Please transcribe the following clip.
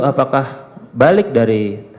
apakah balik dari